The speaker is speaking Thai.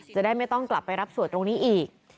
จะได้ไม่ต้องกลับไปรับสวดตรงนี้อีก